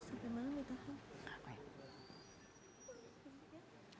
sampai malam ya tuhan